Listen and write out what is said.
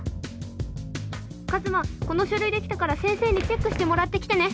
カズマこの書類できたから先生にチェックしてもらってきてね。